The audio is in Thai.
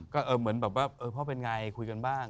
ก็เหมือนแบบว่าพ่อเป็นไงคุยกันบ้าง